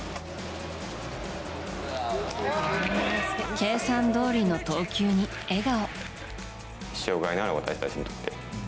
計算どおりの投球に笑顔。